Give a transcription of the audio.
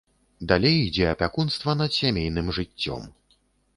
Далей ідзе апякунства над сямейным жыццём.